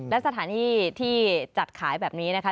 และสถานที่ที่จัดขายแบบนี้นะคะ